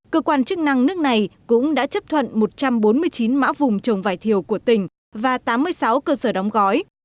cơ quan chức năng nước này cũng đã chấp thuận một trăm bốn mươi chín mã vùng trồng vải thiều của tỉnh và tám mươi sáu cơ sở đóng gói